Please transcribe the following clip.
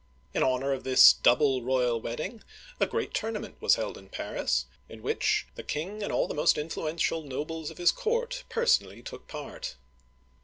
In honor of this double royal wedding a great tournament was held in Paris, in which the king and all the most influential nobles of his court personally took part.